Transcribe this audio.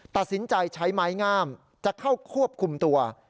ตัดสินใจใช้ไม้งามจะเข้าควบคุมตัว